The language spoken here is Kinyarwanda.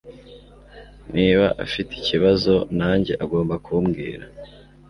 Niba afite ikibazo nanjye, agomba kumbwira.